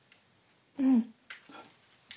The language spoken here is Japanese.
うん。